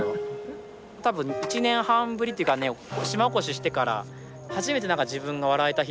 多分１年半ぶりっていうかね島おこししてから初めて何か自分が笑えた日というか。